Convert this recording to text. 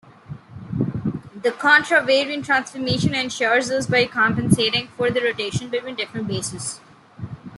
The contravariant transformation ensures this, by compensating for the rotation between the different bases.